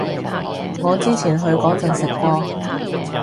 我之前去嗰陣食過